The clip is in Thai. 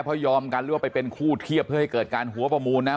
เพราะยอมกันหรือว่าไปเป็นคู่เทียบเพื่อให้เกิดการหัวประมูลนะ